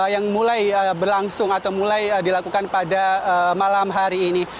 yang mulai berlangsung atau mulai dilakukan pada malam hari ini